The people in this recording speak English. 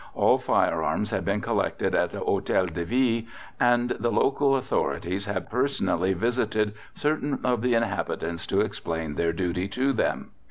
All firearms had been collected in the Hotel de Ville, and the local authorities had personally visited certain of the inhabitants to explain their duty to them.